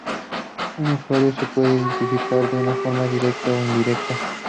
Un usuario se puede identificar de una forma directa o indirecta.